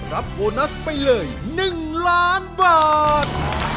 โบนัสไปเลย๑ล้านบาท